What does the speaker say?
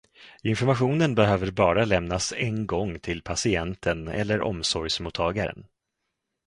Informationen behöver bara lämnas en gång till patienten eller omsorgsmottagaren.